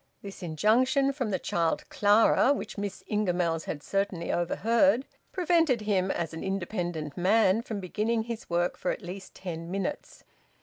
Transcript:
This injunction from the child Clara, which Miss Ingamells had certainly overheard, prevented him, as an independent man, from beginning his work for at least ten minutes.